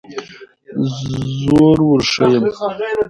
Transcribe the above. زور وښیم.